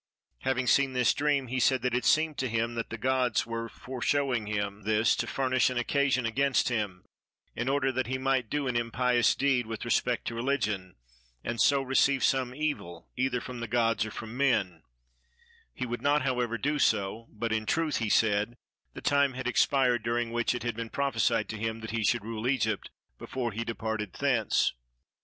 Having seen this dream, he said that it seemed to him that the gods were foreshowing him this to furnish an occasion against him, in order that he might do an impious deed with respect to religion, and so receive some evil either from the gods or from men: he would not however do so, but in truth (he said) the time had expired, during which it had been prophesied to him that he should rule Egypt before he departed thence.